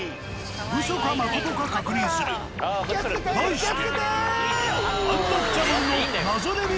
ウソかまことか確認する題して。